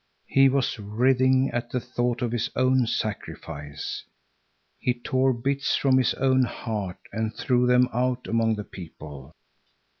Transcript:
He was writhing at the thought of his own sacrifice. He tore bits from his own heart and threw them out among the people.